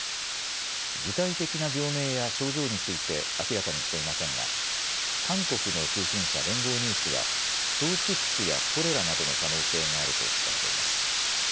具体的な病名や症状について明らかにしていませんが韓国の通信社、連合ニュースは腸チフスやコレラなどの可能性があると伝えています。